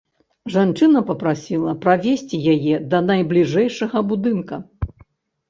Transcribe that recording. Жанчына папрасіла правесці яе да найбліжэйшага будынка.